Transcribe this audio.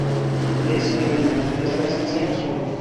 Ne, sinjorino: li estas scienculo.